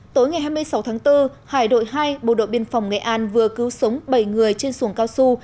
tối ngày hai mươi sáu tháng bốn hải đội hai bộ đội biên phòng nghệ an vừa cứu sống bảy người trên xuồng cao su